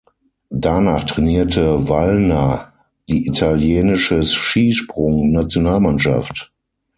Danach trainierte Wallner die italienische Skisprung-Nationalmannschaft.